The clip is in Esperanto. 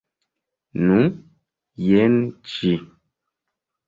Nu, jen ĝi.